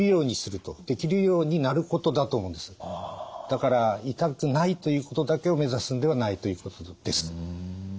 だから痛くないということだけをめざすんではないということです。